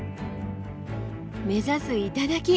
目指す頂！